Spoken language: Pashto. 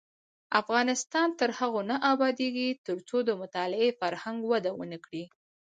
افغانستان تر هغو نه ابادیږي، ترڅو د مطالعې فرهنګ وده ونه کړي.